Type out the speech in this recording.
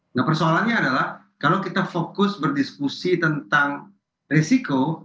nah persoalannya adalah kalau kita fokus berdiskusi tentang risiko